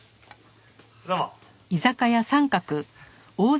どうも。